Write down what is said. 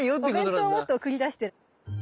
お弁当を持って送り出してる。